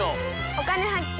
「お金発見」。